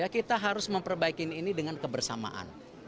kita harus memperbaiki ini dengan kebersamaan